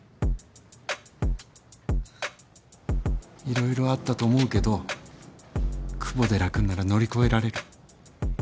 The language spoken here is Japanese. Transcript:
いろいろあったと思うけど久保寺君なら乗り越えられる。